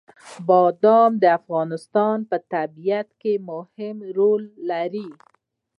بادام د افغانستان په طبیعت کې مهم رول لري.